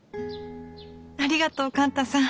ありがとう勘太さん。